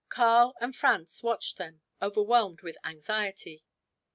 Karl and Franz watched them, overwhelmed with anxiety.